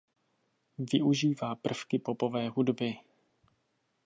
Využívá prvky popové hudby.